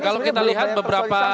kalau kita lihat beberapa